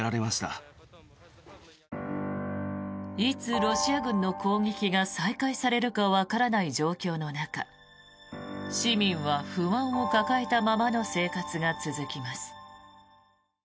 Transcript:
いつ、ロシア軍の攻撃が再開されるかわからない状況の中市民は不安を抱えたままの生活が続きます。